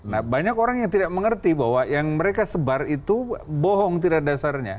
nah banyak orang yang tidak mengerti bahwa yang mereka sebar itu bohong tidak dasarnya